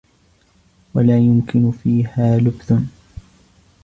وَلَا يُمْكِنُ فِيهَا لُبْثٌ